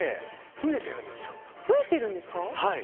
増えているんですか。